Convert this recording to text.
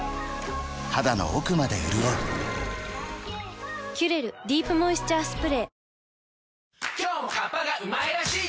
肌の奥まで潤う「キュレルディープモイスチャースプレー」